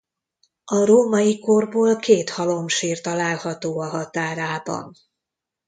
A római korból két halomsír található a határában.